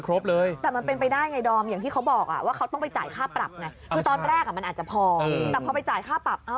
คือตอนแรกมันอาจจะพอแต่พอไปจ่ายค่าปรับ